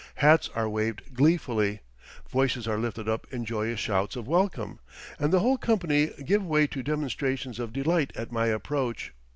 Hats are waved gleefully, voices are lifted up in joyous shouts of welcome, and the whole company give way to demonstrations of delight at my approach.